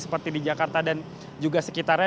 seperti di jakarta dan juga sekitarnya